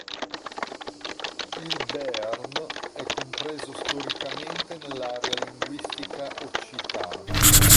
Il Béarn è compreso storicamente nell'area linguistica occitana.